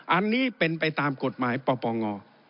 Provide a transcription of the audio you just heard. อันนี้เป็นไปตามกฎหมายปปง